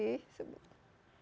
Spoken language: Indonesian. iya terima kasih